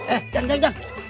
eh dang dang dang